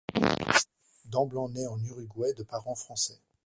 Damblans naît en Uruguay de parents français.